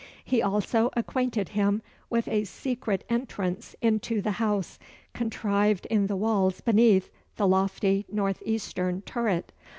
He also acquainted him with a secret entrance into the house, contrived in the walls beneath the lofty north eastern turret.